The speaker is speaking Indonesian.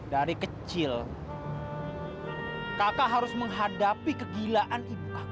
dari kecil kakak harus menghadapi kegilaan ibu kakak